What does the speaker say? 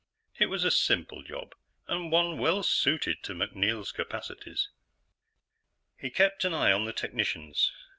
It was a simple job, and one well suited to MacNeil's capacities. He kept an eye on the technicians.